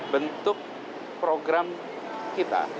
bentuk program kita